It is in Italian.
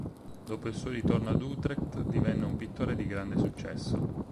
Dopo il suo ritorno ad Utrecht, divenne un pittore di grande successo.